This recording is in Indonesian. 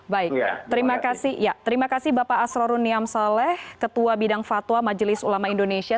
baik terima kasih bapak asrorun niam saleh ketua bidang fatwa majelis ulama indonesia